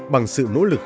bằng sự nỗ lực